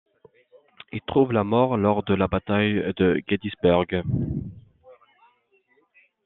Il trouve la mort lors de la bataille de Gettysburg.